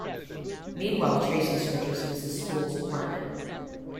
Meanwhile, Tracy searches Mrs. Spool's apartment.